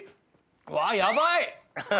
うわやばい！